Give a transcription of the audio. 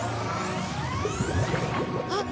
あっ！